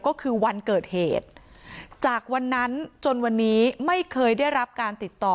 ก็คือวันเกิดเหตุจากวันนั้นจนวันนี้ไม่เคยได้รับการติดต่อ